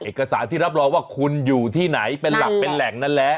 เอกสารที่รับรองว่าคุณอยู่ที่ไหนเป็นหลักเป็นแหล่งนั่นแหละ